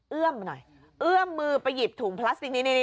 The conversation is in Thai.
เอื้อมมาหน่อยเอื้อมมือไปหยิบถุงพลาสติกนี้